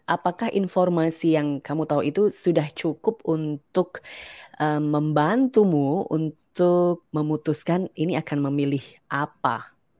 apakah informasi yang kamu tahu itu sudah cukup untuk membantumu untuk memutuskan ini akan memilih apa